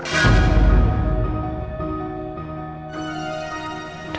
aku mau cari andin